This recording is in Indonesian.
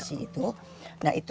masuk juga di program serata